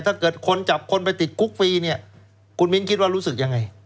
ถ้าเกิดคนจับคนไปติดคุกฟรีเนี่ยคุณมิ้นคิดว่ารู้สึกยังไง